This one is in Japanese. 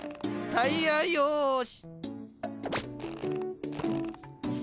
タイヤよし。